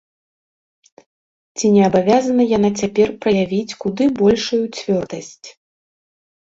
Ці не абавязана яна цяпер праявіць куды большую цвёрдасць?